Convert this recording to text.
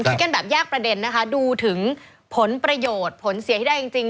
กันแบบแยกประเด็นนะคะดูถึงผลประโยชน์ผลเสียที่ได้จริง